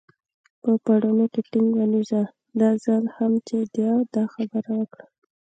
په پوړني کې ټینګ ونېژه، دا ځل هم چې ده دا خبره وکړه.